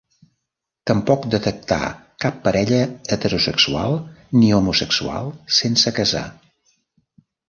Tampoc detectà cap parella heterosexual ni homosexual sense casar.